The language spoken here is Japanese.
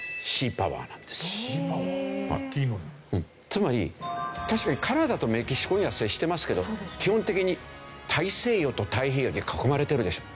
つまり確かにカナダとメキシコには接してますけど基本的に大西洋と太平洋に囲まれてるでしょ。